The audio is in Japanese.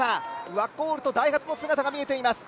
ワコールとダイハツの姿が見えてきます。